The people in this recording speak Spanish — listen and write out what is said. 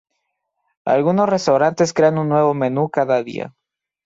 Algunos restaurantes crean un nuevo menú cada día.